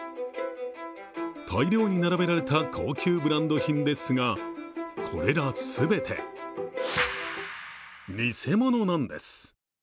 大量に並べられた高級ブランド品ですが、これら全て偽物なんです。